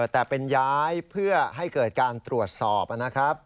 แต่เป็นย้ายเพื่อให้เกิดการตรวจสอบนะครับ